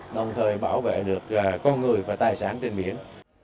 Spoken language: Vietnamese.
đồng thời bảo vệ được con người và tài sản trên biển